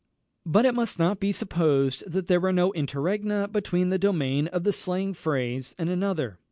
But it must not be supposed that there were no interregna between the dominion of one slang phrase and another.